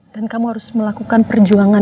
dan kamu harus melakukan perjuangan